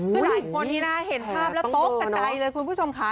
คือหลายคนนี้นะเห็นภาพแล้วตกกระจายเลยคุณผู้ชมค่ะ